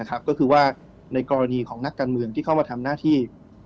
ก็คือว่าในกรณีของนักการเมืองที่เข้ามาทำหน้าที่